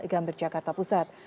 gambir jakarta pusat